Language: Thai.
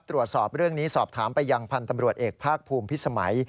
ตรวจสอบเรื่องนี้สอบถามไปยังพันธ์ตำรวจเอกภาคภูมิพิสมัย